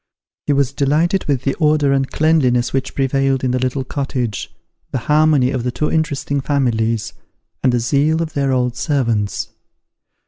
He was delighted with the order and cleanliness which prevailed in the little cottage, the harmony of the two interesting families, and the zeal of their old servants.